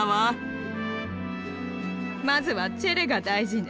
まずはチェレが大事ね。